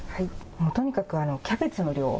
とにかくキャベツの量。